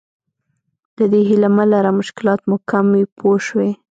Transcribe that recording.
د دې هیله مه لره مشکلات مو کم وي پوه شوې!.